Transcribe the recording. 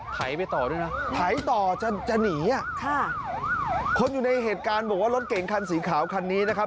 ไถไปต่อด้วยนะไถต่อจะจะหนีอ่ะค่ะคนอยู่ในเหตุการณ์บอกว่ารถเก่งคันสีขาวคันนี้นะครับ